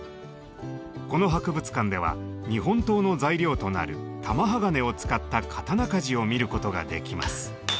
この博物館では日本刀の材料となる「玉鋼」を使った刀鍛冶を見ることができます。